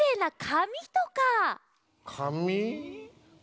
かみ。